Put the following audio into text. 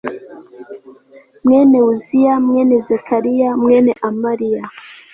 mwene uziya mwene zekariya mwene amariya